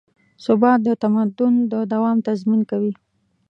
ثبات د تمدن د دوام تضمین کوي.